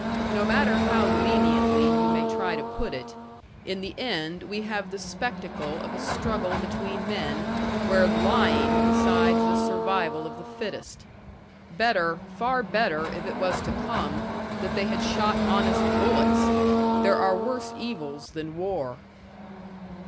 No matter how leniently you may try to put it, in the end we have the spectacle of a struggle between men where lying decides the survival of the fittest. Better, far better, if it was to come, that they had shot honest bullets. There are worse evils than war."